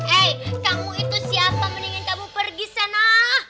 eh kamu itu siapa mendingan kamu pergi sana